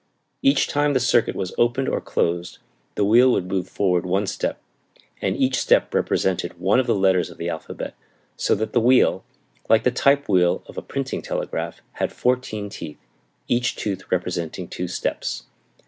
Each time the circuit was opened or closed the wheel would move forward one step, and each step represented one of the letters of the alphabet, so that the wheel, like the type wheel of a printing telegraph, had fourteen teeth, each tooth representing two steps.